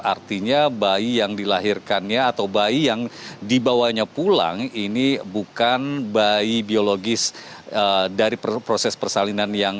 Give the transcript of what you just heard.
artinya bayi yang dilahirkannya atau bayi yang dibawanya pulang ini bukan bayi biologis dari proses persalinan